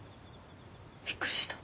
びっくりした。